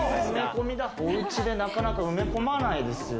おうちでなかなか埋め込まないですよ。